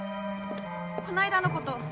この間のこと。